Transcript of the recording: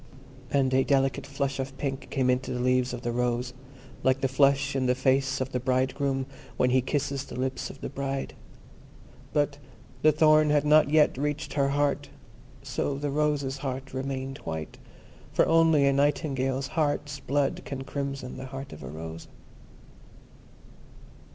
And a delicate flush of pink came into the leaves of the rose, like the flush in the face of the bridegroom when he kisses the lips of the bride. But the thorn had not yet reached her heart, so the rose's heart remained white, for only a Nightingale's heart's blood can crimson the heart of a rose.